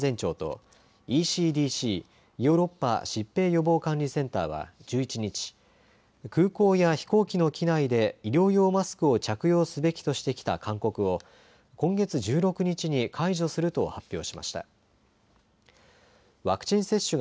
・ヨーロッパ航空安全庁とＥＣＤＣ・ヨーロッパ疾病予防管理センターは１１日、空港や飛行機の機内で医療用マスクを着用すべきとしてきた勧告を今月１６日に解除すると発表しました。